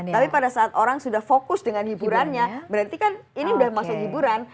tapi pada saat orang sudah fokus dengan hiburannya berarti kan ini sudah masuk hiburan